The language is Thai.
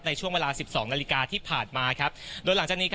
ในช่วงเวลาสิบสองนาฬิกาที่ผ่านมาครับโดยหลังจากนี้ก็